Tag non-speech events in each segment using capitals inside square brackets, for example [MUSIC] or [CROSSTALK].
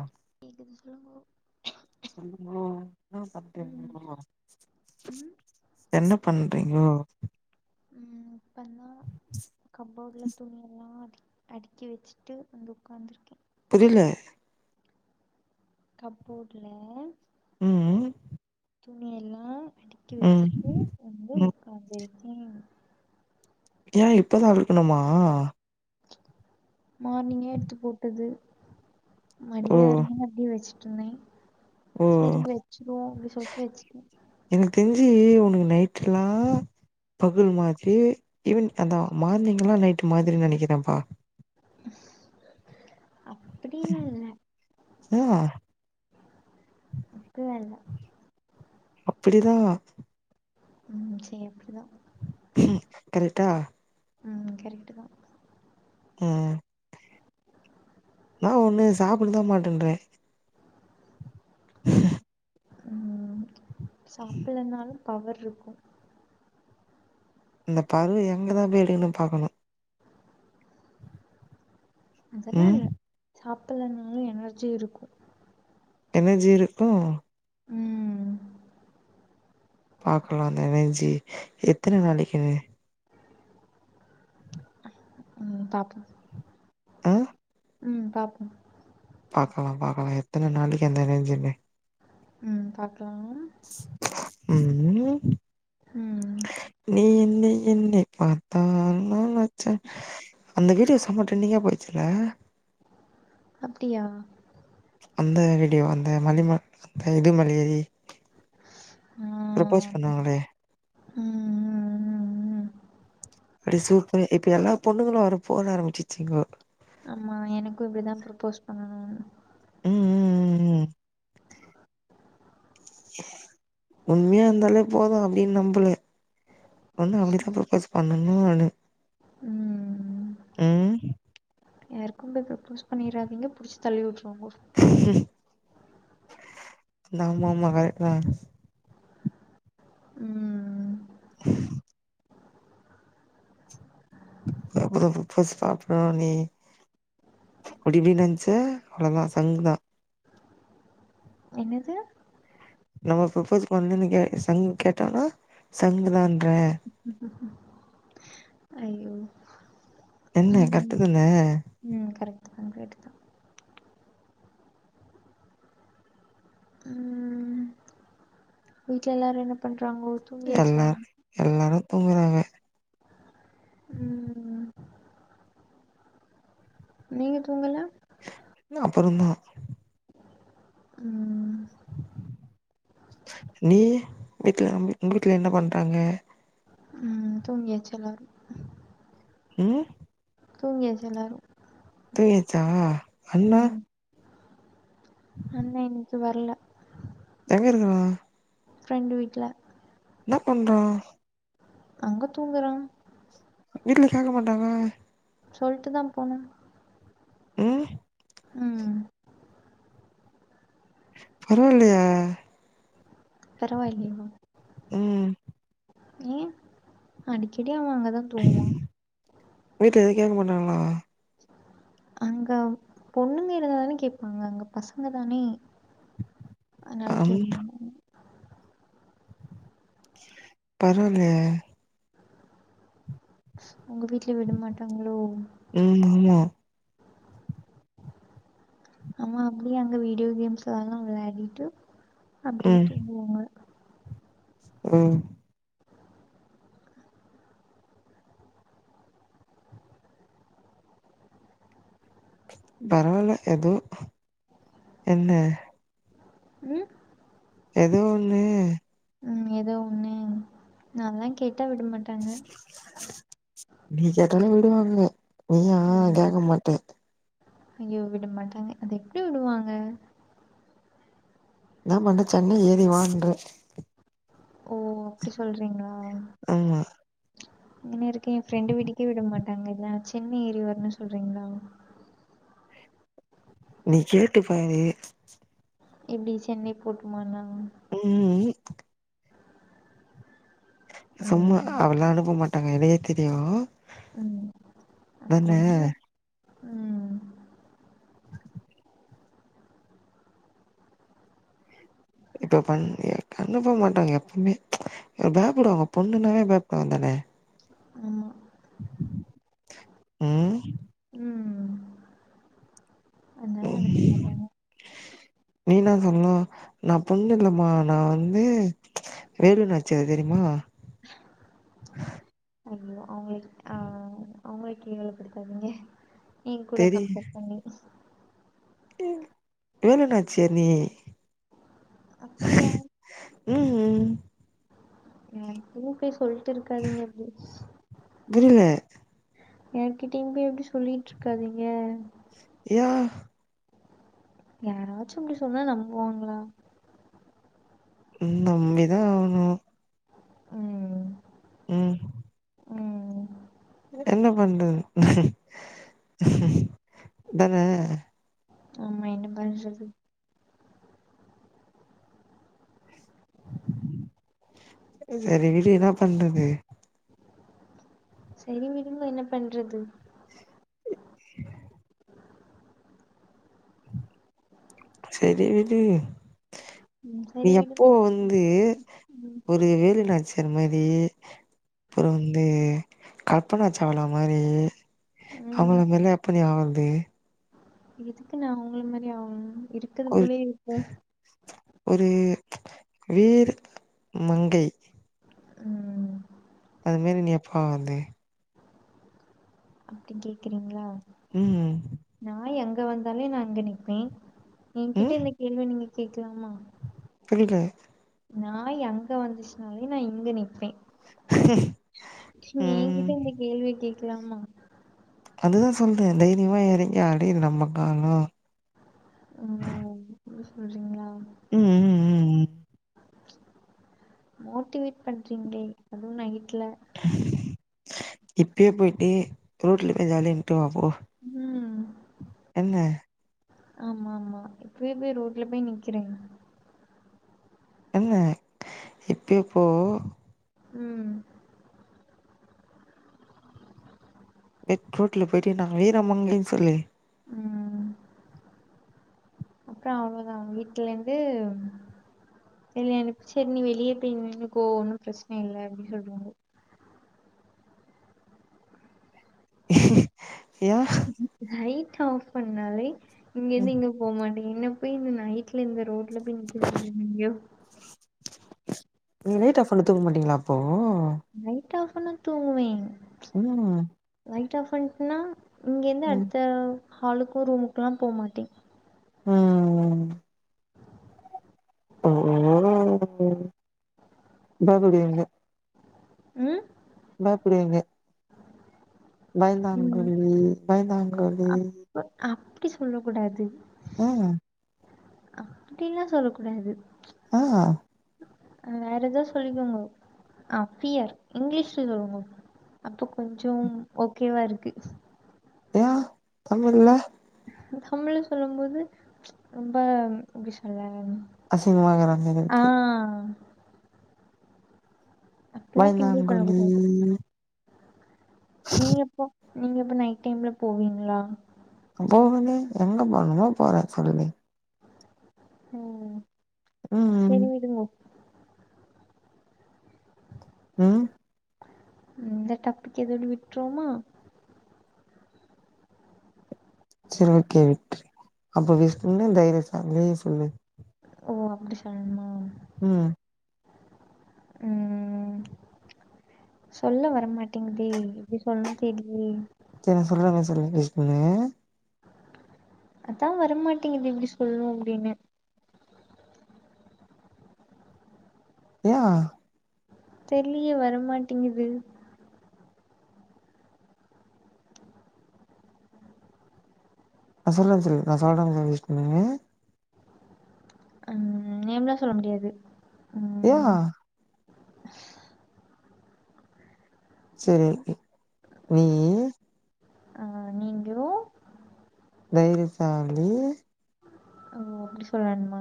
ஆ கேக்குது சொல்லுங்கோ சொல்லுங்கோ என்ன ம் சாப்டிங்கோ ம் என்ன பண்றீங்கோ ம் இப்பந்தா கப்போட்ல துணியெல்லா அடி அடுக்கி வெச்சுட்டு வந்து உக்காந்துருக்கே புரியில கப்போட்ல ம் ம் துணி எல்லா அடுக்கி ம் வேச்சுட்டு வந்து ம் உகாகாந்துருக்கே ஏ இப்பதா அடுக்குணுமா மார்னிங்கே எடுத்து போட்டது ஓ மடியா இருந்தனா அப்டி வச்சுட்டு இருந்தே ஓ செரி வெச்சிருவோ அப்டி சொல்ட்டு வெச்சுட்டே எனக்கு தெரிஞ்சு உனக்கு நைட்லா பகல் மாதிரி ஈவ்னிங் அதா மார்னிங்லா நைட்டு மாதிரி நெனைக்கிறேப்பா அப்டின் இல்ல ஆ அப்பில்லா இல்ல அப்டிதா ம் செ அப்டிதா கரெக்டா ம் கரெக்டுதா ம் இன்னா ஒன்னு சாப்புட தா மாட்டேன்ற ம் சாப்புலாலனாலும் பவர் இருக்கு இந்த பருவ எங்கதா போய் எடுக்கணு பாக்கணு அதெல்லா ம் இல்ல சாப்பலனாலு எனர்ஜி இருக்கு எனர்ஜி இருக்கு ம் பாக்கலா நெனைஞ்சி எத்தன நாளைக்குனு ம் பாக்ள ஆ ம் பாப்போ பாக்கலா பாக்கலா எத்தன நாளைக்கு அந்த ரேஞ்சுனு ம் பாக்லா ம் ம் நீ என்னை என்னை பார்த்தால் நாளாச்ச அந்த வீடியோ செம்ப டிரென்டிங்கா போயிச்சுல்ல அப்டியா அந்த வீடியோ அந்த மலிம அந்த இதுமலி எரி ம் ப்ரப்போஸ் பண்ணுவாங்களே ம் ம் ம் அப்டி சூப்பர் இப்ப எல்லா பொண்ணுங்களு அத போட ஆரம்பிச்சிருச்சீங்கோ ஆமா எனக்கு இப்படிதா ப்ரப்போஸ் பண்ணணு ம் ம் ம் ம் உண்மையா இருந்தாலே போது அப்டின்னு நம்பலே ஒண்ணு அப்படிதா ப்ரப்போஸ் பண்ணனு நானு ம் ம் யாருக்கு போய் ப்ரோப்போஸ் பண்ணிறாதீங்க புடிச்சு தள்ளி உட்டுருவாங்கோ ஆமாமா கரட்தா ம் ஹ [INAUDIBLE] [UNINTELLIGIBLE] ப்ரோப்போஸ் பாப்பல நீ அப்டி இப்டி நென்ச்ச அவ்ளோதா சங்கு தா என்னது நம்ம ப்ரோப்போஸ் பண்ணுன் நீ கேட் சங்கு கேட்டோன்னா சங்கு தான்றே அய்யோ என்னே கரட்டுதான்னே ம் கரெக்ட்தா கரெக்ட்தா ம் வீட்ல எல்லாரு என்ன பண்றாங்கோ தூங்கியாச்சா எல்லாரு எல்லாரு தூங்கறாங்க ம் நீங்க தூங்கல நா அப்புறோ தா ம் ம் நீ வீட்ல நம் உங்க வீட்ல என்ன பண்றாங்க ம் தூங்கியாச்சு எல்லாரு ம் தூங்கியாச்சு எல்லாரு தூங்கியச்சா அண்ணா அண்ண இன்னைக்கி வரல எங்கருக்குறா ஃப்ரெண்டு வீட்ல என்ன பண்றா அங்க தூங்குறா வீட்ல கேக்க மாட்டாங்க சொல்ட்டு தா போனா ம் ம் பரவால்லையே பரவாயில்லையா ம் ஏ அடிக்கடி அவே அங்கதா தூங்குவா வீட்ல எது கேட்க மாட்டங்களா? அங்க பொண்ணுங்கேருந்தா தானே கேட்பாங்க. அங்க பசங்க தானே? அதனால அம் கேக்க மாட்டங்க பரவால்யே, உங்க வீட்ல, விட மாட்டாங்களோ? ம் ஆமா. அவ அப்டியே அங்க வீடியோ கேம்ஸெல்லா வெளையாடிட்டு, அப்டியே ம் தூங்குவாங்க. ம் [UNINTELLIGIBLE] எதோ, என்ன? ம் எதோ ஒண்ணு. ம் ஏதோ ஒண்ணு, நால்லம் கேட்டா விட மாட்டேங்க? நீ கேட்டாலும் விடுவாங்க. நீயா ஓ கேக்க மாட்ட ஐயோ! விட மாட்டாங்க. அது எப்டி விடுவாங்க. என்ன பண்ற சென்னை ஏறி வான்ற ஓ! அப்டி, சொல்றீங்களா? ஆமா. இதுவரைக்கும் பிரண்டு வீட்டுக்கே விட மாட்டாங்க. இதுல நா சென்னை ஏறி வருணுன்னு சொல்றீங்களா? நீ, கேட்டு பாரு. எப்டி சென்னை போட்டுமாண்ணா ம் ம் சும்மா ம் அவளெல்ல அனுப்ப மாட்டாங்க எனக்கே தெரியுமே ம் அப்பரேன்னா, ம் இப்ப பண்டே அனுப்ப மாட்டாங்க எப்பவுமே. ஏ பேக்கடு அவ பொண்ணுன்னாலே பயப்புடுவான்தானே ஆமா. ம் ம் ம், அதல்லாம் அனுப்ப மாட்டாங்க. நீ தான் சொன்ன, நான் பொண்ணுங்கள மா நான் வந்து, வேலுநாச்சியார் தெரியுமா? இல்ல அவுங்களுக் ஆ, அவுங்கல கேவலப்படுத்தாதீங்க. யே கூட கம்பெர், கண்டிப்பா, வேலுநாச்சியா நீயா அப்டியாங் இல்லியே என்ன பூ பெயர் சொல்ட்டு இருக்காதீங்க [UNINTELLIGIBLE] தில்ல யார்கிட்டயுமே அப்டி சொல்லிட்டு இருக்காதீங்க. ஏ யாராச்சும் அப்டி சொன்னா, நம்புவாங்களா? நம்பி தான் ஆகணும். ம் ம் ம் என்ன பண்றது அதானே ஆமா என்ன பன்றது செரி விடு, என்ன பண்றது. செரி விடுங்க, என்ன பண்றது. சிரிப்பு ஒலி. செரி விடு. ம் நீ சரி எப்போ விடுங்க வந்து, ம் ஒரு வேலுநாச்சி அந்த மாதிரி அப்றம் வந்து கல்பனா சாவ்லா மாதிரி ம் அவுங்கள மாறி, எப்ப நீ ஆகுறது? எதுக்கு நான் அவங்கள மாரி ஆவனும் இருக்கது ஒரு போலே இருந்த ஒரு வீர் மங்கை ம் அது மாரி நீ எப்ப ஆவது அப்டி கேக்குறீங்களா ம் நாய் அங்க வந்தாலே நா இங்க நிப்பே எங்கிட்ட ம் இந்த கேள்விய நீங்க கேட்கலாமா புரில நாய் அங்க வந்துச்சுனாலே நா இங்க நிப்பே [INAUDIBLE] ம் என்கிட்ட இந்த கேள்விய கேக்கலாமா அதுதா சொல்றே தைரியமா எறங்கி அடி இது நம்ம காலோ ஆ அப்டி சொல்றீங்களா ம் ம் ம் ம் [INAUDIBLE] மோட்டிவேட் பண்றீங்ளே அதுவு நைட்ல இப்பயை போயிட்டு ரோட்ல போய் ஜாலி நின்டுவா போ ம் என்ன ஆமா ஆமா இப்பவே போய் ரோட்ல போய் நிக்கிறே என்ன இப்பயே போ ம் வெத் ரோட்ல போயிட்டு நா வீரமங்கைன்னு சொல்லு அப்றோ அவ்வளோதா வீட்லேந்து இல்ல எனக் செரி நீ வெளியே போய்‌ நின்னுக்கோ ஒன்னு பிரச்சன இல்ல அப்டின்னு சொல்வாங்கோ எயே லைட் ஆஃப் பண்ணாலே இங்கிருந்து ம் இங்க போமாட்டே என்ன போய் இந்த நைட்ல இந்த ரோட்ல போய் நிக்க சொல்றீங்க நீங்க நீங்க லைட் ஆஃப் பண்ணிட்டு தூங்க மாட்டீங்களா அப்போ லைட் ஆஃப்பன்னா தூங்குவே [UNINTELLIGIBLE] லைட் ஆஃப் பன்னிட்டனா இங்க இருந்து ம் அடுத்த ஹாலுக்கோ ரூமுக்குலா போ‌மாட்டே ம் ம் ஓ ஓ பயிப்பிடுவீங்க ம் பயிப்பிடிவீங்க ம் பயன்தாங்கோலி பயன்தாங்கோலி அப்ப அப்டி சொல்ல கூடாது ஆ அப்டிலா சொல்ல கூடாது ஆ வேற ஏதா சொல்லிக்கோங்கோ ஆ பியர் இங்கிலீஷ்ல சொல்லுங்கோ அப்ப கொஞ்சோ ஓகேவா இருக்கு ஏயா தமிழ்ல தமிழ்ல சொல்லும் போது ரொம்ப எப்டி சொல்ல அசிங்கமா இருக்கறா மாரி ஆ இருக்கு அப்டிலா கிண்டல் பயந்தாங்கோலி பண்ணக்கூடாது நீ இப்போ நீங்க அப்போ நைட் டைம்ல போவீங்களா போவேனே எங்க போணுமோ போவே சொல்லு ஓ ம் செரி விடுங்கோ ம் இந்த டாப்பிக்கு இதோட விட்டுருவோமா சேரி ஒகே விட்ரு அப்போ வெஸ்டன்ல இந்த இத சாங்லேயே சொல்லு ஓ அப்டி சொல்னுமா ம் ம் சொல்ல வரமாட்டேங்குதே எப்டி சொல்னு தெர்லே தெரிஞ்ச சொல்வாங்க சரின் பேசுனே அதா வரமாட்டேங்குது எப்டி சொல்ணு அப்டினு யா தெர்லியே வரமாட்டிங்குது நா சொல்ல சொல்லி நா அசால்ட்டா கொஞ்சு வேஸ் பண்ணுனே ம் நேம்லா சொல்ல முடியாது ம் ஏஹா செரி நீ ஆ நீங்கோ தைரியசாலி ஓ அப்டி சொல்லன்மா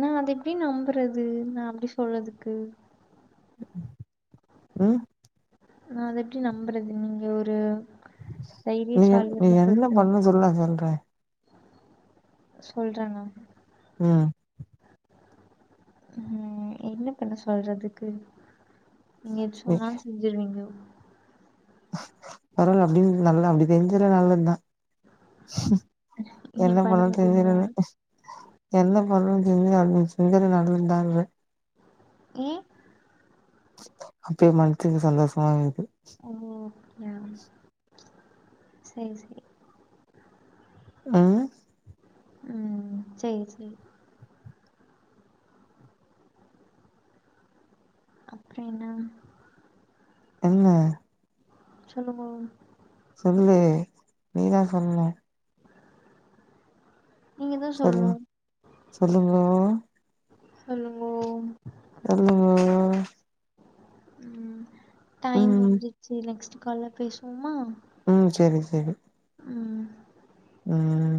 நா அத எப்டி நம்புறது நா அப்டி சொல்லதுக்கு ம் ந அத எப்டி நம்புறது நீங்க ஒரு நீ நீ தைரியசாலின்னு என்ன சொல்ட்டு பண்ணு சொல்லு நா சொல்ற சொல்றானா ம் ம் என்ன பண்ண சொல்றதுக்கு நீங்க எது நீ சொன்னாலு செஞ்சிருவீங்கோ பரவால அப்டின் நல்லா அப்டி தெரிஞ்சது நல்லத்தா நீங்க என்ன பண்ண பண்ணாலு மாட்டீங்களா? தெரிஞ்சிருமே என்ன பண்ணு செஞ்சு ஆகுனு சுந்தரு நடுல் இருந்தாய்ங்க ம் அப்ப மன்த்துக்கு சந்தோஷ்மா இருக்கு ஓகே சேரி சேரி ஆ ம் சேரி சேரி அப்றீன்னா என்ன சொல்லுங்க சொல்லு நீதா சொல்ணு நீங்கதா சொல்லு சொல்ணு. சொல்லுங்க சொல்லுங்கோ சொல்லுங்கோ ம் டைம் ம் முன்ஞ்சிச்சு நெக்ஸ்ட்டு கால்ல பேஸ்வோமா ம் சேரி சேரி ம் ம்